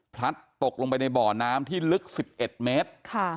พลัดตกลงไปในบ่อน้ำที่ลึก๑๑เมตร